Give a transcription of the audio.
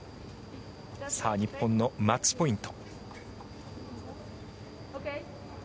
日本のマッチポイント。